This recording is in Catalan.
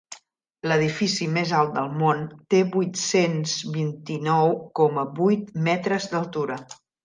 L'edifici més alt del món té vuit-cents vint-i-nou coma vuit metres d'altura.